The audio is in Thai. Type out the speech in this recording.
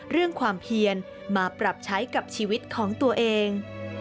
เรื่องความเพียนมาปรับใช้กับชีวิตของตัวเอง